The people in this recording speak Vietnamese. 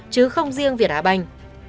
chứ không riêng việt á banh